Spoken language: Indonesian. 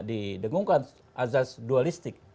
didegungkan azaz dualistik